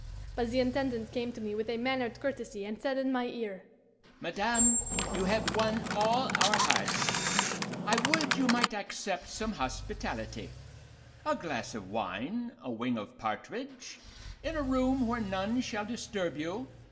But the Intendant came to me with a mannered courtesy, and said in my ear, 'Madame, you have won all our hearts; I would you might accept some hospitality a glass of wine, a wing of partridge, in a room where none shall disturb you?